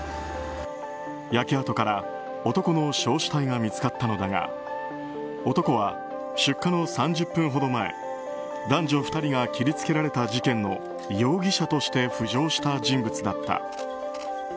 焼け跡から男の焼死体が見つかったのだが男は出火の３０分ほど前男女２人が切り付けられた事件の容疑者として浮上した人物だった。